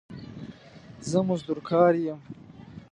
زه مزدور کار يم